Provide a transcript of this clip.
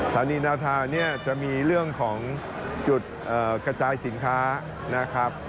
สารีนาธาจะมีเรื่องของจุดกระจายสินค้านะครับ